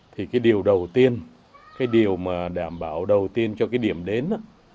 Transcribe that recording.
thì cái điều đầu tiên cái điều mà đảm bảo đầu tiên cho cái điểm đến